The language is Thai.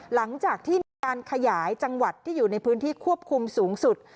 หลังจากที่มีการขยายจังหวัดที่อยู่ในพื้นที่ควบคุมสูงสุด